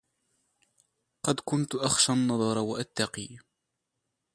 قد كنت أخشى النظر وأتقي